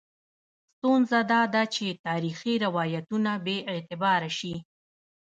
ستونزه دا ده چې تاریخي روایتونه بې اعتباره شي.